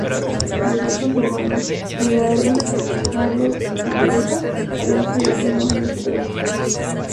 Los otros hermanos; Eduardo, Carlos y Teresa, habían fallecido años atrás.